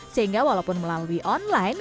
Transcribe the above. sehingga walaupun melalui online